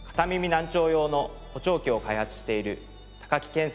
難聴用の補聴器を開発している高木健さんです。